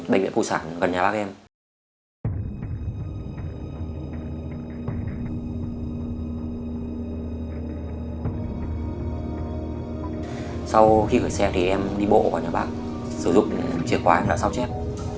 sử dụng chìa khóa em đã sao chép